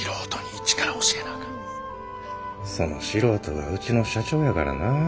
その素人がうちの社長やからな。